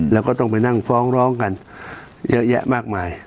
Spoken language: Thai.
แล้วก็ต้องไปนั่งฟ้องร้องกันเยอะแยะมากมาย